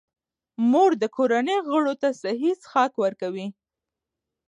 مور د کورنۍ غړو ته صحي څښاک ورکوي.